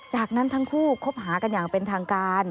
จากนั้นทั้งคู่คบหากันอย่างเป็นทางการ